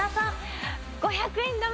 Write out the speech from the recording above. ５００円玉。